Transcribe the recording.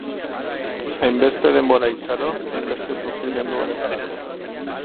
Hainbeste denbora itxaron, hainbeste sufrimendu honetarako.